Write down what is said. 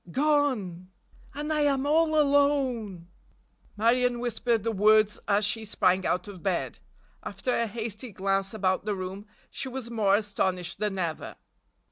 "Gone! And I am all alone!" Marion whispered the words as she sprang out of bed. After a hasty glance about the room she was more astonished than ever.